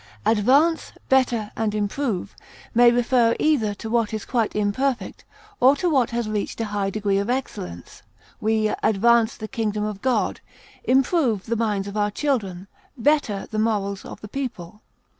Advance, better, and improve may refer either to what is quite imperfect or to what has reached a high degree of excellence; we advance the kingdom of God, improve the minds of our children, better the morals of the people.